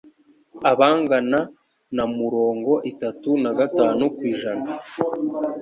abangana na murongo itatu nagatanu kw'ijana